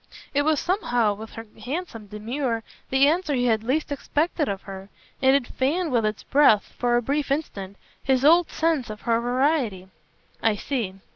It was somehow, with her handsome demur, the answer he had least expected of her; and it fanned with its breath, for a brief instant, his old sense of her variety. "I see.